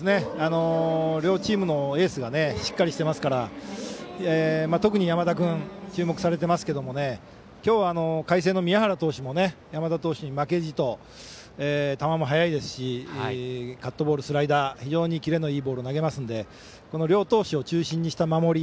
両チームのエースがしっかりしてますから特に山田君注目されていますけれども今日は海星の宮原投手も山田投手に負けじと球も速いですしカットボール、スライダー非常にキレのいいボールをこの両投手を中心にした守り。